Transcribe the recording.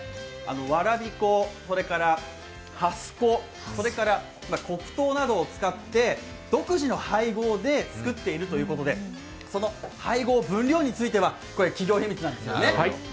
わらび粉、それからはす粉、黒糖などを使って独自の配合で作っているということで、その配合、分量については企業秘密なんですね。